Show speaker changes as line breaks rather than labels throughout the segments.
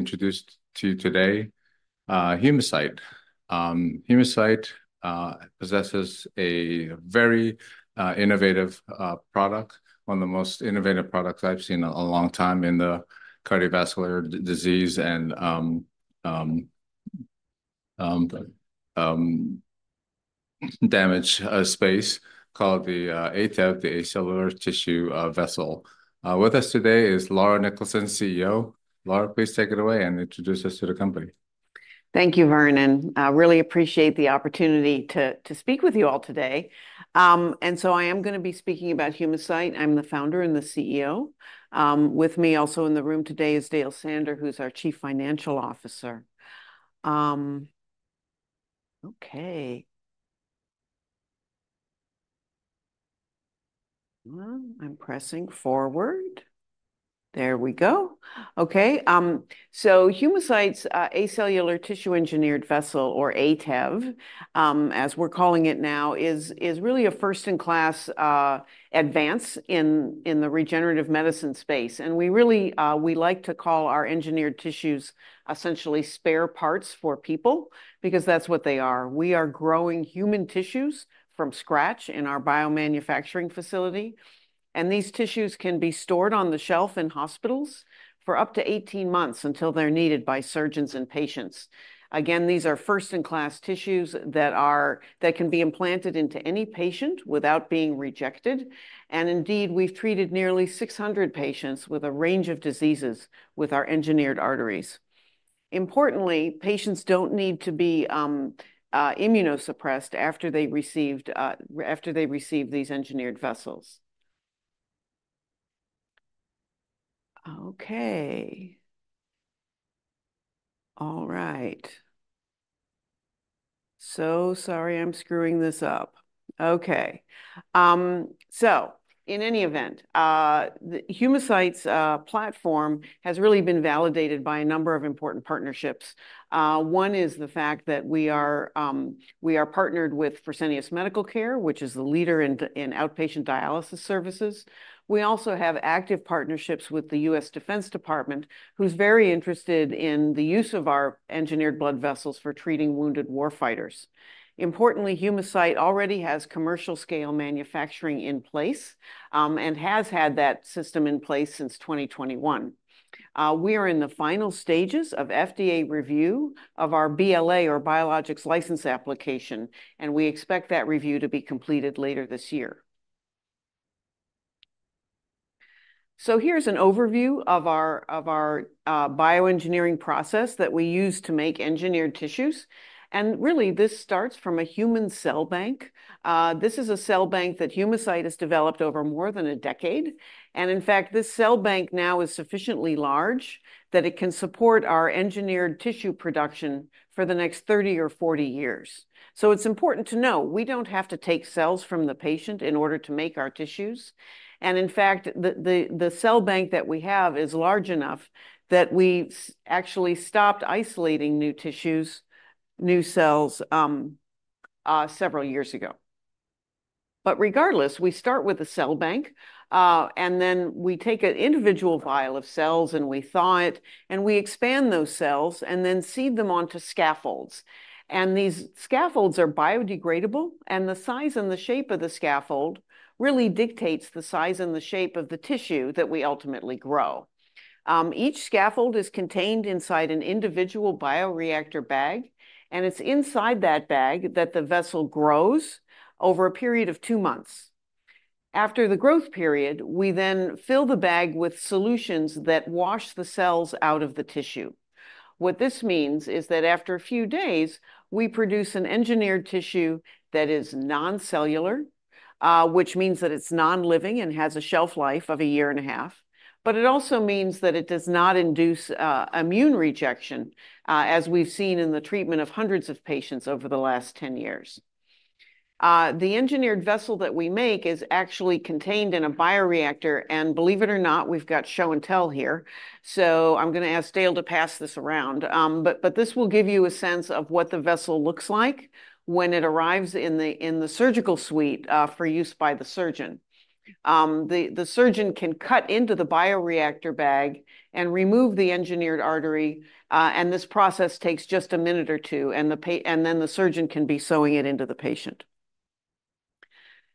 Introduced to you today, Humacyte. Humacyte possesses a very innovative product, one of the most innovative products I've seen in a long time in the cardiovascular disease and damage space, called the ATEV, the acellular tissue vessel. With us today is Laura Niklason, CEO. Laura, please take it away and introduce us to the company.
Thank you, Vern, and really appreciate the opportunity to speak with you all today. And so I am going to be speaking about Humacyte. I'm the Founder and the CEO. With me also in the room today is Dale Sander, who's our Chief Financial Officer. Okay. Well, I'm pressing forward. There we go! Okay, so Humacyte's acellular tissue engineered vessel, or ATEV, as we're calling it now, is really a first-in-class advance in the regenerative medicine space. And we really like to call our engineered tissues essentially spare parts for people, because that's what they are. We are growing human tissues from scratch in our biomanufacturing facility, and these tissues can be stored on the shelf in hospitals for up to 18 months until they're needed by surgeons and patients. Again, these are first-in-class tissues that can be implanted into any patient without being rejected, and indeed, we've treated nearly 600 patients with a range of diseases with our engineered arteries. Importantly, patients don't need to be immunosuppressed after they receive these engineered vessels. So in any event, Humacyte's platform has really been validated by a number of important partnerships. One is the fact that we are partnered with Fresenius Medical Care, which is the leader in outpatient dialysis services. We also have active partnerships with the U.S. Department of Defense, who's very interested in the use of our engineered blood vessels for treating wounded warfighters. Importantly, Humacyte already has commercial-scale manufacturing in place and has had that system in place since 2021. We are in the final stages of FDA review of our BLA, or Biologics License Application, and we expect that review to be completed later this year. Here's an overview of our bioengineering process that we use to make engineered tissues, and really, this starts from a human cell bank. This is a cell bank that Humacyte has developed over more than a decade, and in fact, this cell bank now is sufficiently large that it can support our engineered tissue production for the next 30 or 40 years. So it's important to know we don't have to take cells from the patient in order to make our tissues, and in fact, the cell bank that we have is large enough that we actually stopped isolating new tissues, new cells, several years ago. But regardless, we start with a cell bank, and then we take an individual vial of cells, and we thaw it, and we expand those cells, and then seed them onto scaffolds. And these scaffolds are biodegradable, and the size and the shape of the scaffold really dictates the size and the shape of the tissue that we ultimately grow. Each scaffold is contained inside an individual bioreactor bag, and it's inside that bag that the vessel grows over a period of two months. After the growth period, we then fill the bag with solutions that wash the cells out of the tissue. What this means is that after a few days, we produce an engineered tissue that is non-cellular, which means that it's non-living and has a shelf life of a year and a half. But it also means that it does not induce immune rejection, as we've seen in the treatment of hundreds of patients over the last 10 years. The engineered vessel that we make is actually contained in a bioreactor, and believe it or not, we've got show and tell here, so I'm going to ask Dale to pass this around. But this will give you a sense of what the vessel looks like when it arrives in the surgical suite, for use by the surgeon. The surgeon can cut into the bioreactor bag and remove the engineered artery, and this process takes just a minute or two, and then the surgeon can be sewing it into the patient.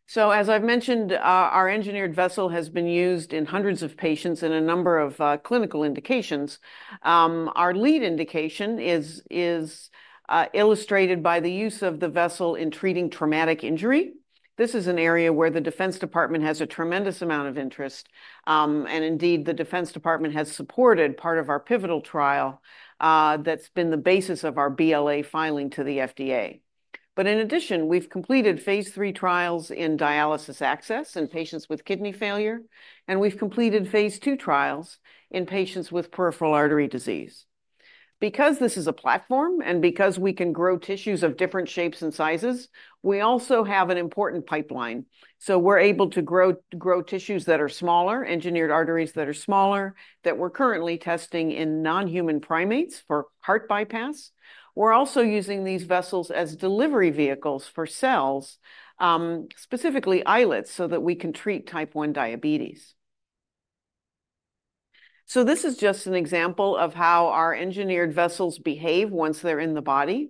So, as I've mentioned, our engineered vessel has been used in hundreds of patients in a number of clinical indications. Our lead indication is illustrated by the use of the vessel in treating traumatic injury. This is an area where the U.S. Department of Defense has a tremendous amount of interest. And indeed, the U.S. Department of Defense has supported part of our pivotal trial, that's been the basis of our BLA filing to the FDA. But in addition, we've completed Phase III trials in dialysis access in patients with kidney failure, and we've completed phase II trials in patients with peripheral artery disease. Because this is a platform and because we can grow tissues of different shapes and sizes, we also have an important pipeline. So we're able to grow tissues that are smaller, engineered arteries that are smaller, that we're currently testing in non-human primates for heart bypass. We're also using these vessels as delivery vehicles for cells, specifically islets, so that we can treat Type 1 diabetes. So this is just an example of how our engineered vessels behave once they're in the body.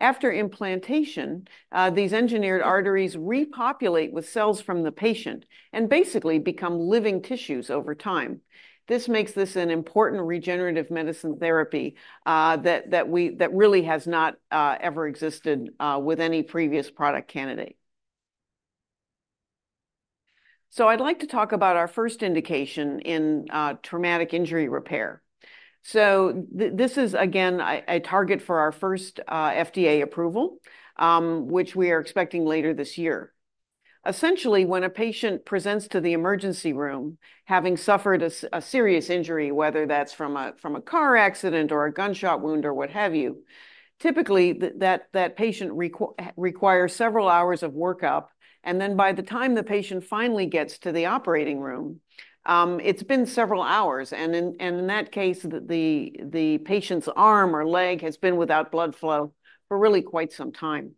After implantation, these engineered arteries repopulate with cells from the patient and basically become living tissues over time. This makes this an important regenerative medicine therapy, that really has not ever existed, with any previous product candidate. So I'd like to talk about our first indication in traumatic injury repair. So this is, again, a target for our first FDA approval, which we are expecting later this year. Essentially, when a patient presents to the emergency room, having suffered a serious injury, whether that's from a car accident or a gunshot wound or what have you, typically, that patient requires several hours of workup, and then by the time the patient finally gets to the operating room, it's been several hours, and in that case, the patient's arm or leg has been without blood flow for really quite some time.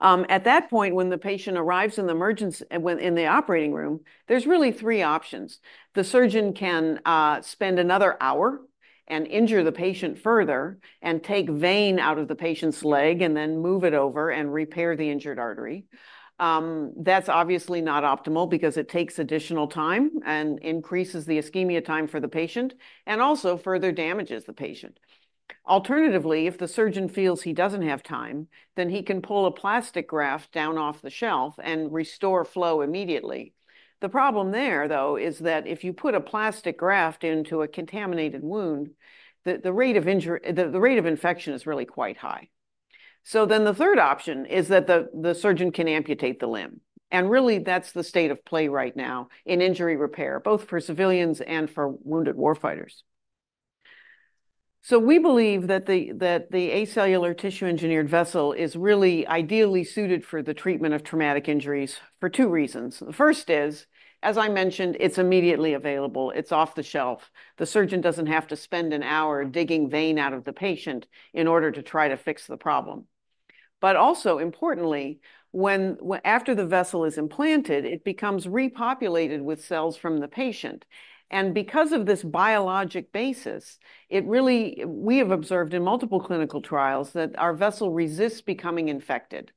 At that point, when the patient arrives in the operating room, there's really three options. The surgeon can spend another hour and injure the patient further, and take vein out of the patient's leg, and then move it over and repair the injured artery. That's obviously not optimal because it takes additional time and increases the ischemia time for the patient and also further damages the patient. Alternatively, if the surgeon feels he doesn't have time, then he can pull a plastic graft down off the shelf and restore flow immediately. The problem there, though, is that if you put a plastic graft into a contaminated wound, the rate of infection is really quite high. So then, the third option is that the surgeon can amputate the limb, and really, that's the state of play right now in injury repair, both for civilians and for wounded warfighters. We believe that the acellular tissue engineered vessel is really ideally suited for the treatment of traumatic injuries for two reasons. The first is, as I mentioned, it's immediately available. It's off the shelf. The surgeon doesn't have to spend an hour digging vein out of the patient in order to try to fix the problem, but also, importantly, after the vessel is implanted, it becomes repopulated with cells from the patient, and because of this biologic basis, it really, we have observed in multiple clinical trials that our vessel resists becoming infected,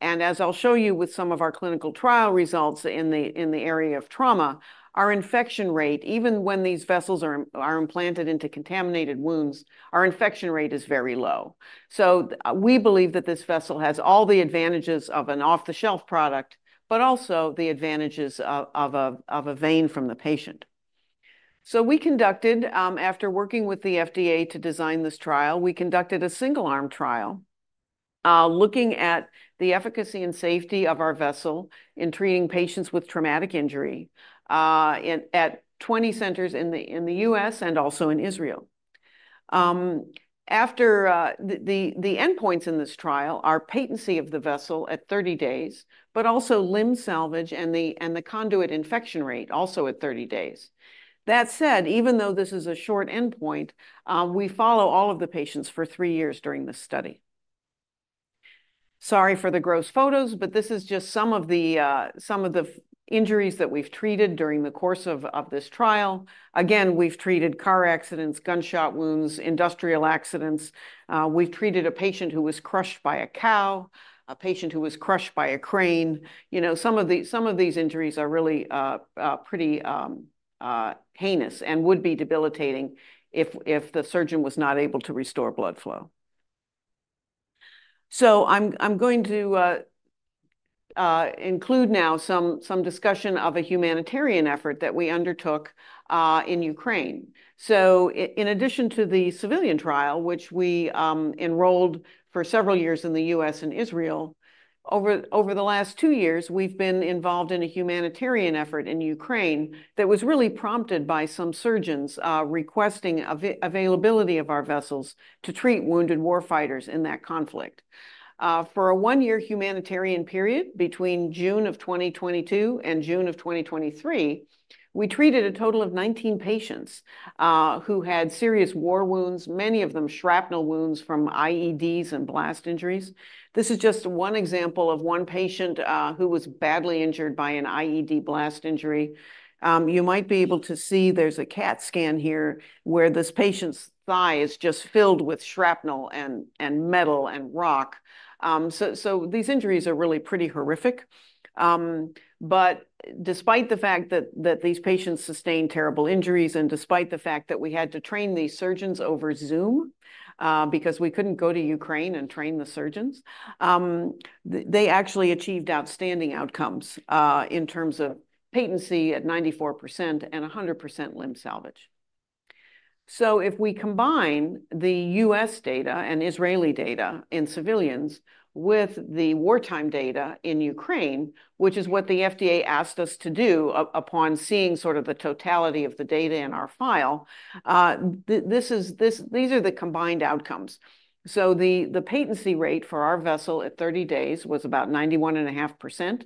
and as I'll show you with some of our clinical trial results in the area of trauma, our infection rate, even when these vessels are implanted into contaminated wounds, our infection rate is very low. So we believe that this vessel has all the advantages of an off-the-shelf product, but also the advantages of a vein from the patient. So, after working with the FDA to design this trial, we conducted a single-arm trial looking at the efficacy and safety of our vessel in treating patients with traumatic injury at 20 centers in the U.S. and also in Israel. The endpoints in this trial are patency of the vessel at 30 days, but also limb salvage and the conduit infection rate, also at 30 days. That said, even though this is a short endpoint, we follow all of the patients for three years during this study. Sorry for the gross photos, but this is just some of the injuries that we've treated during the course of this trial. Again, we've treated car accidents, gunshot wounds, industrial accidents. We've treated a patient who was crushed by a cow, a patient who was crushed by a crane. You know, some of these injuries are really pretty heinous and would be debilitating if the surgeon was not able to restore blood flow. So I'm going to include now some discussion of a humanitarian effort that we undertook in Ukraine. So in addition to the civilian trial, which we enrolled for several years in the U.S. and Israel, over the last two years, we've been involved in a humanitarian effort in Ukraine that was really prompted by some surgeons requesting availability of our vessels to treat wounded warfighters in that conflict. For a one-year humanitarian period, between June of 2022 and June of 2023, we treated a total of 19 patients who had serious war wounds, many of them shrapnel wounds from IEDs and blast injuries. This is just one example of one patient who was badly injured by an IED blast injury. You might be able to see there's a CAT scan here, where this patient's thigh is just filled with shrapnel and metal and rock. So these injuries are really pretty horrific. But despite the fact that these patients sustained terrible injuries, and despite the fact that we had to train these surgeons over Zoom, because we couldn't go to Ukraine and train the surgeons, they actually achieved outstanding outcomes in terms of patency at 94% and 100% limb salvage. So if we combine the US data and Israeli data in civilians with the wartime data in Ukraine, which is what the FDA asked us to do upon seeing sort of the totality of the data in our file, these are the combined outcomes. So the patency rate for our vessel at 30 days was about 91.5%,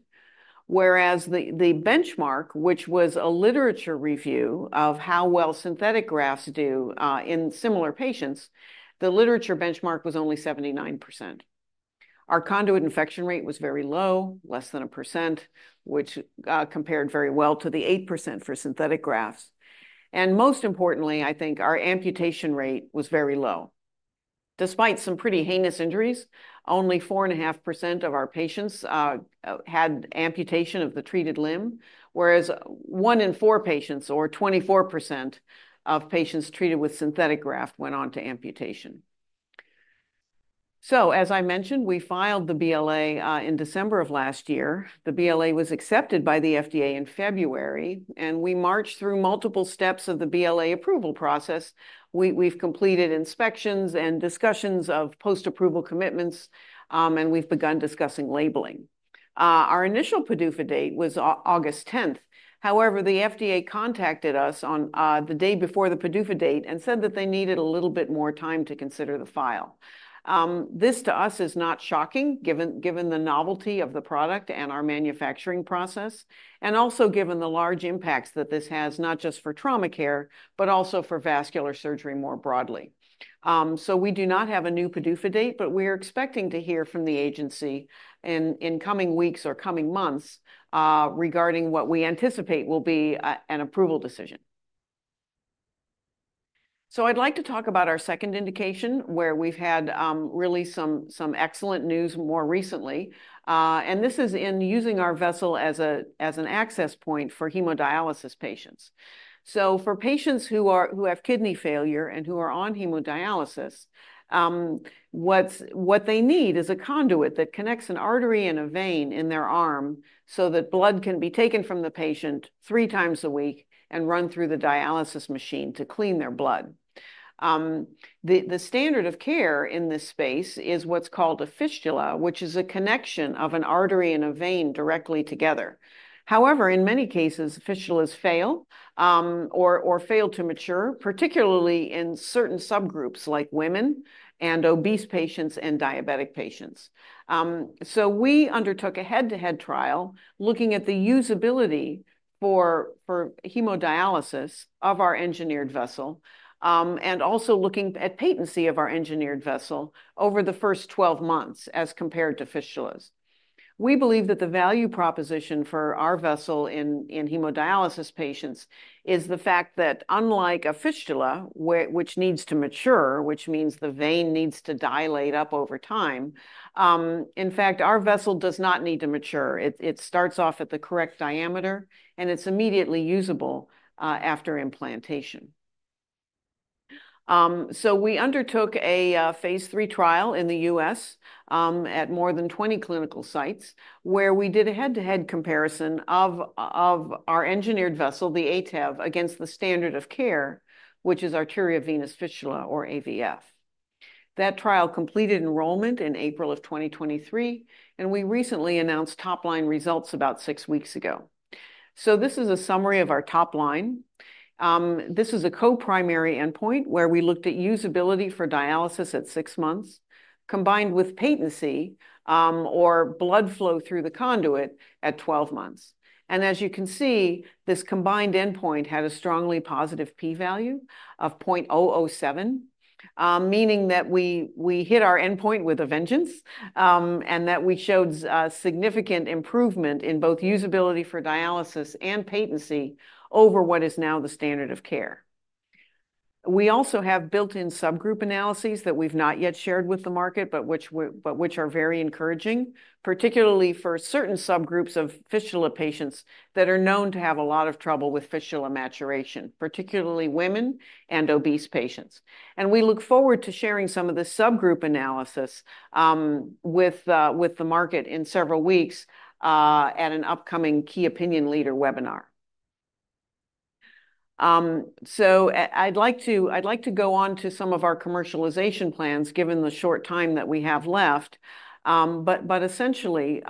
whereas the benchmark, which was a literature review of how well synthetic grafts do in similar patients, the literature benchmark was only 79%. Our conduit infection rate was very low, less than 1%, which compared very well to the 8% for synthetic grafts. And most importantly, I think our amputation rate was very low. Despite some pretty heinous injuries, only 4.5% of our patients had amputation of the treated limb, whereas one in four patients, or 24% of patients treated with synthetic graft, went on to amputation. So, as I mentioned, we filed the BLA in December of last year. The BLA was accepted by the FDA in February, and we marched through multiple steps of the BLA approval process. We, we've completed inspections and discussions of post-approval commitments, and we've begun discussing labeling. Our initial PDUFA date was August 10th. However, the FDA contacted us on the day before the PDUFA date and said that they needed a little bit more time to consider the file. This to us is not shocking, given the novelty of the product and our manufacturing process, and also given the large impacts that this has, not just for trauma care, but also for vascular surgery more broadly. So we do not have a new PDUFA date, but we are expecting to hear from the agency in coming weeks or coming months, regarding what we anticipate will be an approval decision. So I'd like to talk about our second indication, where we've had really some excellent news more recently. And this is in using our vessel as an access point for hemodialysis patients. So for patients who have kidney failure and who are on hemodialysis, what they need is a conduit that connects an artery and a vein in their arm, so that blood can be taken from the patient three times a week and run through the dialysis machine to clean their blood. The standard of care in this space is what's called a fistula, which is a connection of an artery and a vein directly together. However, in many cases, fistulas fail, or fail to mature, particularly in certain subgroups, like women and obese patients and diabetic patients. So we undertook a head-to-head trial, looking at the usability for hemodialysis of our engineered vessel, and also looking at patency of our engineered vessel over the first 12 months, as compared to fistulas. We believe that the value proposition for our vessel in hemodialysis patients is the fact that, unlike a fistula, which needs to mature, which means the vein needs to dilate up over time, in fact, our vessel does not need to mature. It, it starts off at the correct diameter, and it's immediately usable after implantation. So we undertook a phase III trial in the U.S., at more than 20 clinical sites, where we did a head-to-head comparison of our engineered vessel, the ATEV, against the standard of care, which is PDUFA date or AVF. That trial completed enrollment in April of 2023, and we recently announced top-line results about six weeks ago. So this is a summary of our top line. This is a co-primary endpoint, where we looked at usability for dialysis at six months, combined with patency, or blood flow through the conduit at 12 months. And as you can see, this combined endpoint had a strongly positive p-value of point zero-zero seven, meaning that we hit our endpoint with a vengeance, and that we showed significant improvement in both usability for dialysis and patency over what is now the standard of care. We also have built-in subgroup analyses that we've not yet shared with the market, but which but which are very encouraging, particularly for certain subgroups of fistula patients that are known to have a lot of trouble with fistula maturation, particularly women and obese patients. And we look forward to sharing some of the subgroup analysis with the market in several weeks at an upcoming key opinion leader webinar. So I'd like to, I'd like to go on to some of our commercialization plans, given the short time that we have left. But, but essentially,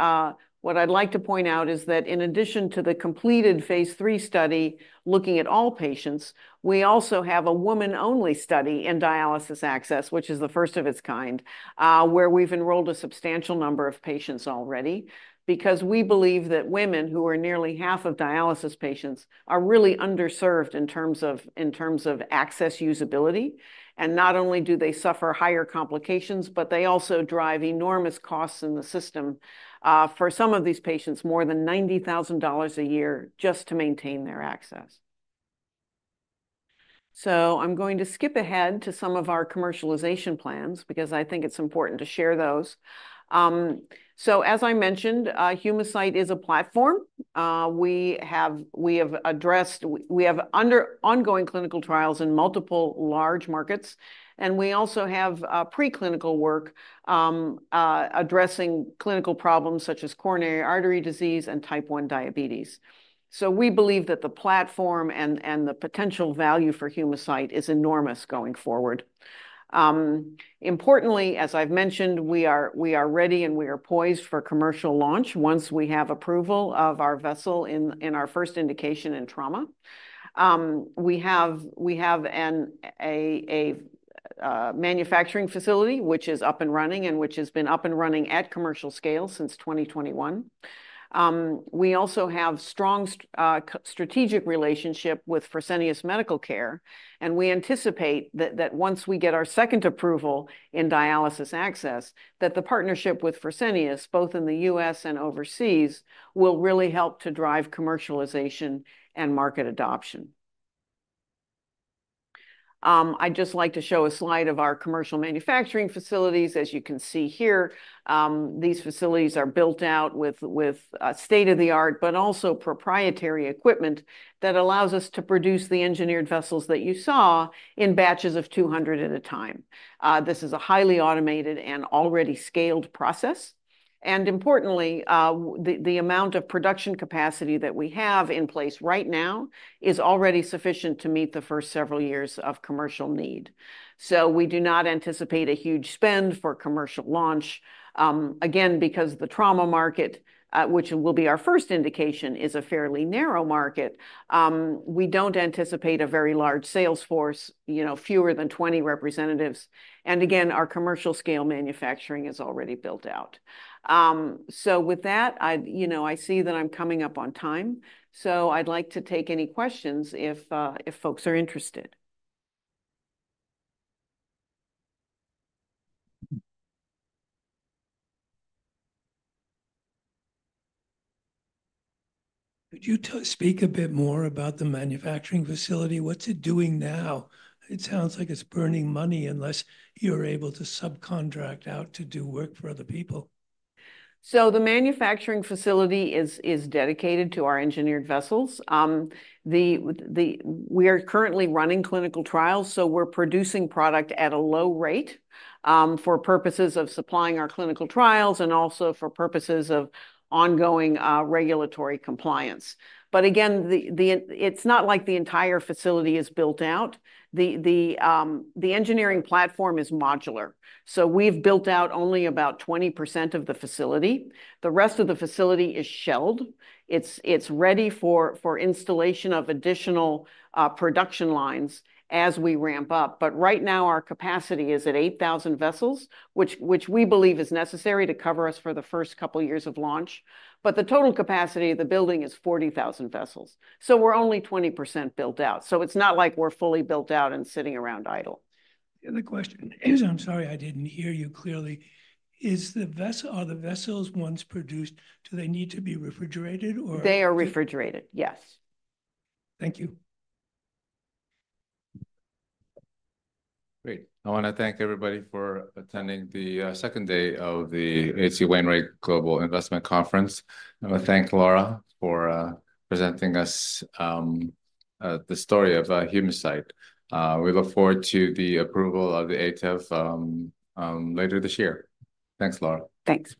what I'd like to point out is that in addition to the completed phase III study looking at all patients, we also have a woman-only study in dialysis access, which is the first of its kind, where we've enrolled a substantial number of patients already. Because we believe that women, who are nearly half of dialysis patients, are really underserved in terms of, in terms of access usability, and not only do they suffer higher complications, but they also drive enormous costs in the system, for some of these patients, more than $90,000 a year just to maintain their access, so I'm going to skip ahead to some of our commercialization plans, because I think it's important to share those, so as I mentioned, Humacyte is a platform. We have ongoing clinical trials in multiple large markets, and we also have preclinical work addressing clinical problems such as coronary artery disease and Type 1 diabetes, so we believe that the platform and the potential value for Humacyte is enormous going forward. Importantly, as I've mentioned, we are ready, and we are poised for commercial launch once we have approval of our vessel in our first indication in trauma. We have a manufacturing facility, which is up and running, and which has been up and running at commercial scale since 2021. We also have strong strategic relationship with Fresenius Medical Care, and we anticipate that once we get our second approval in dialysis access, that the partnership with Fresenius, both in the U.S. and overseas, will really help to drive commercialization and market adoption. I'd just like to show a slide of our commercial manufacturing facilities. As you can see here, these facilities are built out with state-of-the-art, but also proprietary equipment that allows us to produce the engineered vessels that you saw in batches of 200 at a time. This is a highly automated and already scaled process, and importantly, the amount of production capacity that we have in place right now is already sufficient to meet the first several years of commercial need. So we do not anticipate a huge spend for commercial launch. Again, because the trauma market, which will be our first indication, is a fairly narrow market, we don't anticipate a very large sales force, you know, fewer than 20 representatives, and again, our commercial scale manufacturing is already built out. So, with that, you know, I see that I'm coming up on time, so I'd like to take any questions if folks are interested. Could you speak a bit more about the manufacturing facility? What's it doing now? It sounds like it's burning money, unless you're able to subcontract out to do work for other people. So the manufacturing facility is dedicated to our engineered vessels. We are currently running clinical trials, so we're producing product at a low rate, for purposes of supplying our clinical trials and also for purposes of ongoing, regulatory compliance. But again, it's not like the entire facility is built out. The engineering platform is modular, so we've built out only about 20% of the facility. The rest of the facility is shelled. It's ready for installation of additional, production lines as we ramp up, but right now, our capacity is at 8,000 vessels, which we believe is necessary to cover us for the first couple of years of launch. But the total capacity of the building is 40,000 vessels, so we're only 20% built out, so it's not like we're fully built out and sitting around idle. The other question is, I'm sorry, I didn't hear you clearly. Is the vessel - Are the vessels, once produced, do they need to be refrigerated, or- They are refrigerated, yes. Thank you.
Great! I wanna thank everybody for attending the second day of the H.C. Wainwright Global Investment Conference. I wanna thank Laura for presenting us the story of Humacyte. We look forward to the approval of the ATEV later this year. Thanks, Laura.
Thanks.